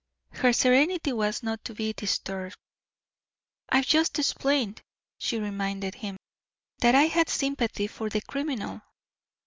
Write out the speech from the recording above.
Her serenity was not to be disturbed. "I have just explained," she reminded him, "that I had sympathy for the criminal."